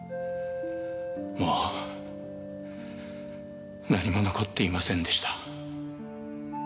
もう何も残っていませんでした。